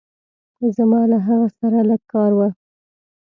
زما له هغه سره لږ کار وه.